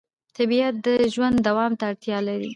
طبیعت د ژوند دوام ته اړتیا لري